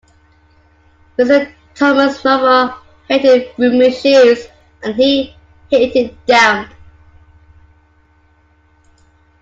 Mr. Thomas Marvel hated roomy shoes, and he hated damp.